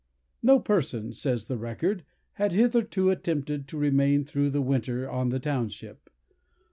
"No person," says the record, "had hitherto attempted to remain through the winter on the township.